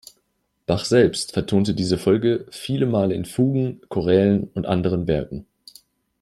Bach selbst vertonte diese Folge viele Male in Fugen, Chorälen und anderen Werken.